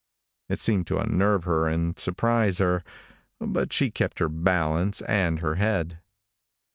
It seemed to unnerve her and surprise her, but she kept her balance and her head.